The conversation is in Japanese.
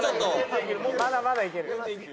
まだまだいけるよ。